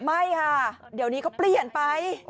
ไม่ค่ะเดี๋ยวนี้เขาเปลี่ยนไป